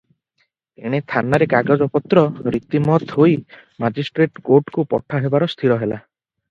ଏଣେ ଥାନାରେ କାଗଜପତ୍ର ରୀତିମତ ହୋଇ ମାଜିଷ୍ଟ୍ରେଟ୍ କୋଟ୍କୁ ପଠା ହେବାର ସ୍ଥିର ହେଲା ।